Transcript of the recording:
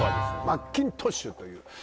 マッキントッシュという選手。